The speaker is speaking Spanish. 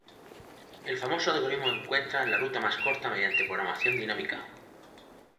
El famoso algoritmo encuentra la ruta más corta mediante programación dinámica